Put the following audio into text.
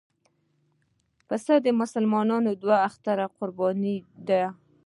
پسه د مسلمانانو دودي قرباني ده.